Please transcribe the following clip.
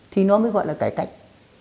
thì nó mới gọi là cải cách